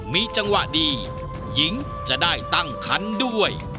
มีจังหวะดีหญิงจะได้ตั้งคันด้วย